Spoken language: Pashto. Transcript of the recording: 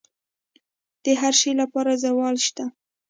د هر شي لپاره زوال شته،